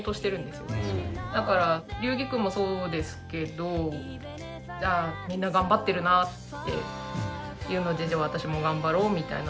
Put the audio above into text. だから龍儀くんもそうですけどみんな頑張ってるなっていうので私も頑張ろうみたいなのとか。